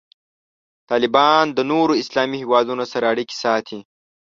طالبان د نورو اسلامي هیوادونو سره اړیکې ساتي.